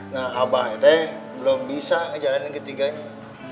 nah abah itu belum bisa ngejalanin ketiganya